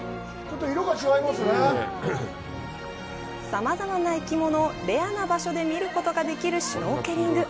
さまざまな生き物をレアな場所で見ることができるシュノーケリング。